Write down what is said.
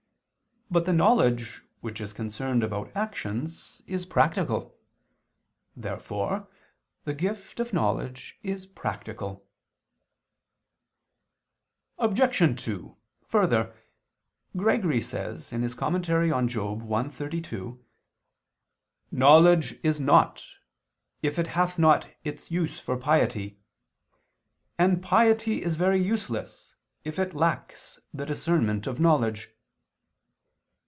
But the knowledge which is concerned about actions is practical. Therefore the gift of knowledge is practical. Obj. 2: Further, Gregory says (Moral. i, 32): "Knowledge is nought if it hath not its use for piety ... and piety is very useless if it lacks the discernment of knowledge."